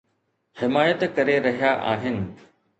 حمايت ڪري رهيا آهن